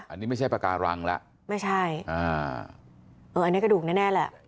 อันนี้ไม่ใช่ปากการังแล้วไม่ใช่อ่าเอออันนี้กระดูกแน่แน่แหละ